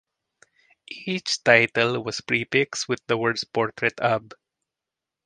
Each title was prefixed with the words "Portrait of".